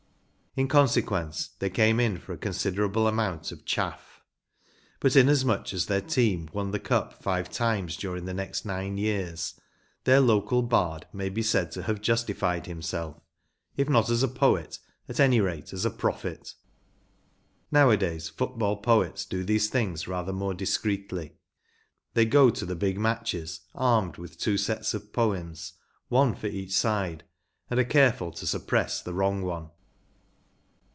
In consequence they came in for a considerable amount of chaff. But, inasmuch as their team won the Cup five times during the next nine years, their local bard may be said to have justified himself, if not as a poet, at any rate as a prophet. Nowadays Football poets do these things rather more discreetly. They go to big matches armed with two sets of poems, one for each side, and are careful to suppress the wrong one.